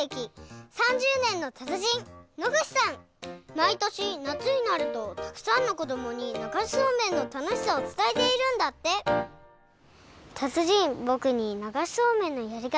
まいとしなつになるとたくさんのこどもにながしそうめんのたのしさをつたえているんだってたつじんぼくにながしそうめんのやりかたをおしえてください！